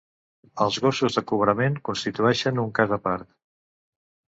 Els gossos de cobrament constitueixen un cas a part.